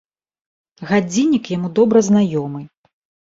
Гадзіннік яму добра знаёмы.